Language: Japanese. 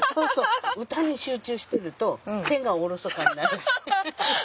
歌に集中してると手がおろそかになる。